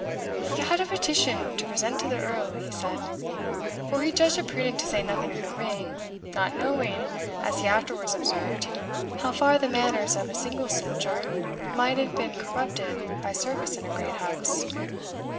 "He had a petition to present to the Earl," he said; for he judged it prudent to say nothing of the ring, not knowing, as he afterwards observed, how far the manners of a single soldier* might have been corrupted by service in a great house.